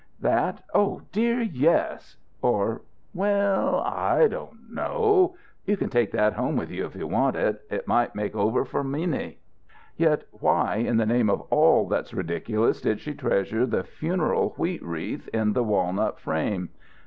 "That? Oh, dear yes!" Or: "Well I don't know. You can take that home with you if you want it. It might make over for Minnie." Yet why, in the name of all that's ridiculous, did she treasure the funeral wheat wreath in the walnut frame?